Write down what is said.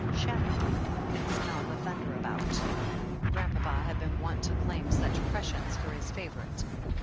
^'Shamrock can smell the thunder about/^ Grandpapa had been wont to claim such prescience for his favourite.